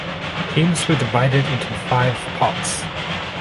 Teams were divided into five pots.